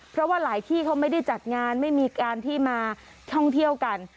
เพราะว่าหลายที่เขาไม่ได้จัดงานไม่มีการที่มาท่องเที่ยวกัน